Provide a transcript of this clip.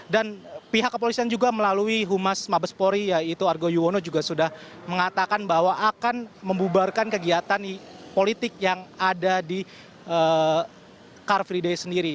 dan pihak kepolisian juga melalui humas mabespori yaitu argo yuwono juga sudah mengatakan bahwa akan membubarkan kegiatan politik yang ada di karvidei sendiri